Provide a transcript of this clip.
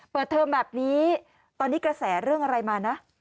เทอมแบบนี้ตอนนี้กระแสเรื่องอะไรมานะ